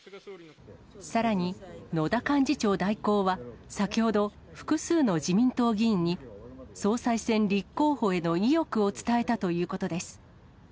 さらに野田幹事長代行は、先ほど、複数の自民党議員に、総裁選立候補への意欲を伝えたということです。